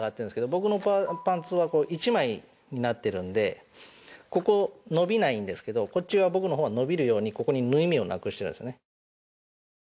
僕のパンツは１枚になっているのでここ伸びないんですけどこっちは僕のほうは伸びるようにここに縫い目をなくしているんですね。